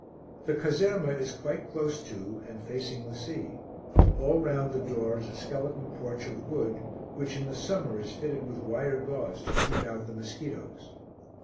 The caserma is quite close to and facing the sea. All round the door is a skeleton porch of wood, which in the summer is fitted with wire gauze to keep out the mosquitoes.